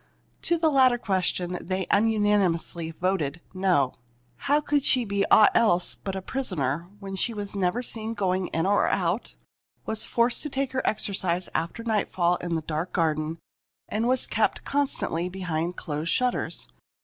To the latter question they unanimously voted "No!" How could she be aught else but a prisoner when she was never seen going in or out, was forced to take her exercise after nightfall in the dark garden, and was kept constantly behind closed shutters?